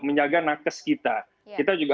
menjaga nakes kita kita juga